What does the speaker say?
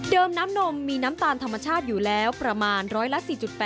น้ำนมมีน้ำตาลธรรมชาติอยู่แล้วประมาณร้อยละ๔๘